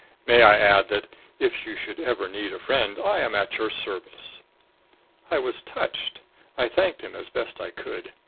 May I add that, if you should ever need a friend, I am at your service?" I was touched; I thanked him as best I could.